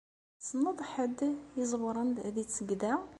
Tessneḍ ḥedd iẓewren deg tsegda?